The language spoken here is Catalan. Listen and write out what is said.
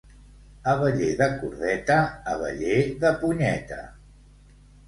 Abeller de cordeta, abeller de punyeta.